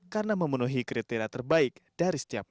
karena memenuhi kriteria terbaik dari setiap negara